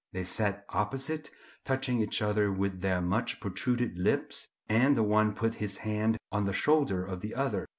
They sat opposite, touching each other with their much protruded lips; and the one put his hand on the shoulder of the other.